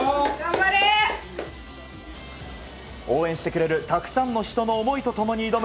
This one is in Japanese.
応援してくれるたくさんの人の思いと共に挑む